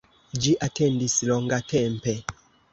Ĝi atendis longatempe.